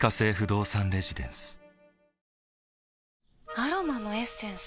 アロマのエッセンス？